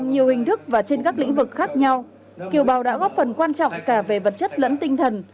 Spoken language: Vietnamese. nhiều hình thức và trên các lĩnh vực khác nhau kiều bào đã góp phần quan trọng cả về vật chất lẫn tinh thần